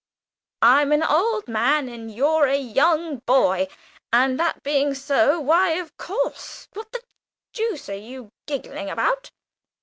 I'm an old man and you're a young boy, and, that being so, why, of course What the dooce are you giggling about?"